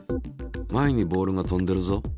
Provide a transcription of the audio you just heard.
前にボールが飛んでるぞ。